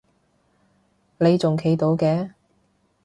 你仲企到嘅？